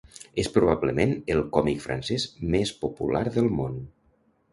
És probablement el còmic francès més popular del món.